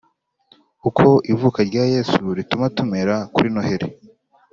Uko ivuka rya Yesu rituma tumera kuri noheri